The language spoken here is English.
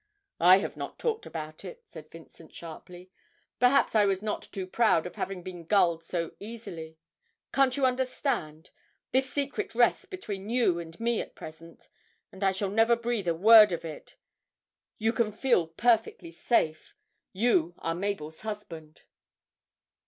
'I have not talked about it!' said Vincent, sharply; 'perhaps I was not too proud of having been gulled so easily. Can't you understand? This secret rests between you and me at present, and I shall never breathe a word of it you can feel perfectly safe you are Mabel's husband!'